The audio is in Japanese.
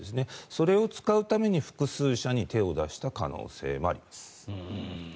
それを使うために複数社に手を出した可能性もありです。